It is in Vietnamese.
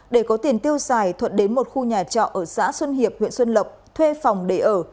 để có tiền tiêu xài thuận đến một khu nhà trọ ở xã xuân hiệp huyện xuân lộc thuê phòng để ở